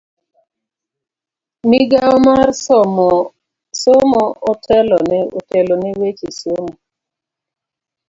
Migao mar somo otelone weche somo.